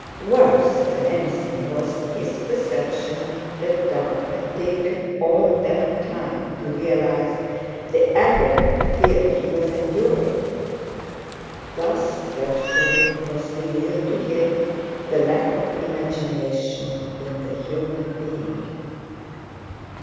Worse than anything was his perception that "Da" had taken all that time to realise the agony of fear he was enduring. Thus, dreadfully, was revealed to him the lack of imagination in the human being.